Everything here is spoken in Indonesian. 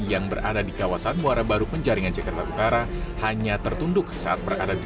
yang berada di kawasan muara baru penjaringan jakarta utara hanya tertunduk saat berada di